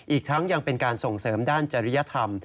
อีกทั้งยังเป็นการส่งเสริมด้านจริยธรรม